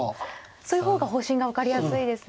そういう方が方針が分かりやすいですね。